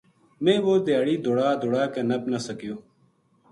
میں وہ دھیاڑی دوڑا دوڑا کے نپ نہ سکیو